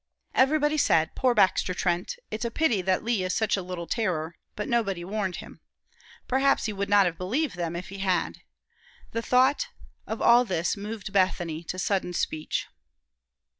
Everybody said, "Poor Baxter Trent! It's a pity that Lee is such a little terror;" but no one warned him. Perhaps he would not have believed them if they had. The thought of all this moved Bethany to sudden speech.